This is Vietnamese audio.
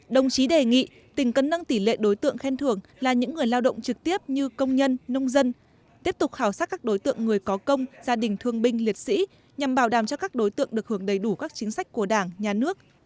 đồng chí đề nghị tỉnh cần nâng tỷ lệ đối tượng khen thưởng là những người lao động trực tiếp như công nhân nông dân tiếp tục khảo sát các đối tượng người có công gia đình thương binh liệt sĩ nhằm bảo đảm cho các đối tượng được hưởng đầy đủ các chính sách của đảng nhà nước